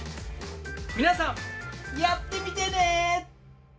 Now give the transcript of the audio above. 皆さんやってみてね！